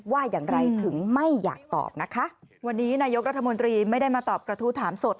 ว่าอย่างไรถึงไม่อยากตอบนะคะวันนี้นายกรัฐมนตรีไม่ได้มาตอบกระทู้ถามสด